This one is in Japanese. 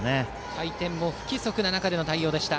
回転も不規則な中での対応でした。